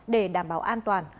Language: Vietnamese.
để đảm bảo an toàn